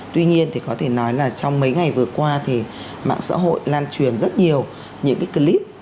tuy nhiên thì có thể nói là trong mấy ngày vừa qua thì mạng xã hội lan truyền rất nhiều những cái clip